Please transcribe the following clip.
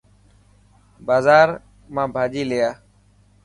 بازار مان ڀاچي لي آءِ.